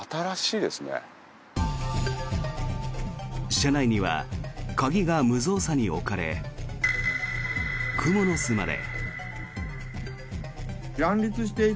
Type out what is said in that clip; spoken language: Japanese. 車内には鍵が無造作に置かれクモの巣まで。